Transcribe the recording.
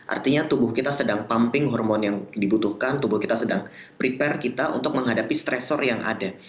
artinya tubuh kita sedang pumping hormon yang dibutuhkan tubuh kita sedang prepare kita untuk menghadapi stresor yang ada